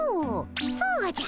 そうじゃ！